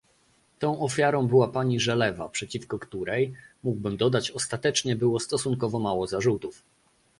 Tą ofiarą była pani Żelewa, przeciwko której, mógłbym dodać, ostatecznie było stosunkowo mało zarzutów